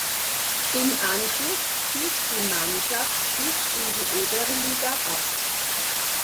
Im Anschluss stieg die Mannschaft bis in die Oberliga ab.